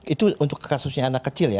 itu untuk kasusnya anak kecil ya